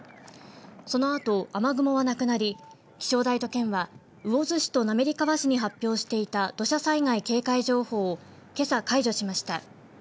そのあと雨雲はなくなり気象台と県は魚津市と滑川市に発表していた土砂災害警戒情報をけさ解除しました。